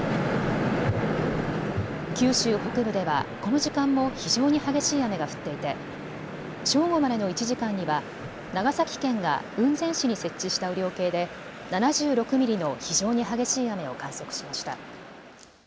九州北部ではこの時間も非常に激しい雨が降っていて正午までの１時間には長崎県が雲仙市に設置した雨量計で７６ミリの非常に激しい雨を観測しました。